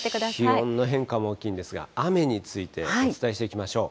気温の変化も大きいんですが、雨についてお伝えしていきましょう。